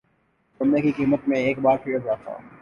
سونے کی قیمت میں ایک بار پھر اضافہ